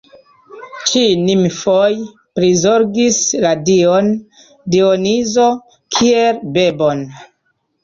Ĉi nimfoj prizorgis la Dion Dionizo kiel bebon.